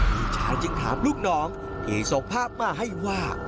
พี่ชายจึงถามลูกน้องที่ส่งภาพมาให้ว่า